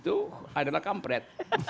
itu adalah kampret